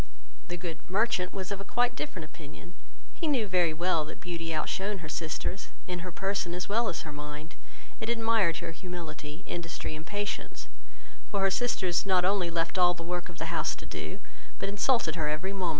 The good merchant was of a quite different opinion; he knew very well that Beauty out shone her sisters, in her person as well as her mind, and admired her humility, industry, and patience; for her sisters not only left her all the work of the house to do, but insulted her every moment.